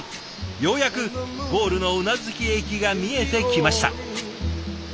ようやくゴールの宇奈月駅が見えてきました。